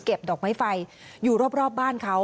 ดอกไม้ไฟอยู่รอบบ้านเขา